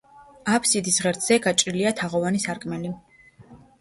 აფსიდის ღერძზე გაჭრილია თაღოვანი სარკმელი.